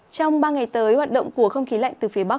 trong ba ngày tới hoạt động của không khí lạnh từ phía bắc